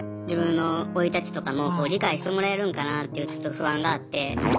自分の生い立ちとかも理解してもらえるんかなっていうちょっと不安があって。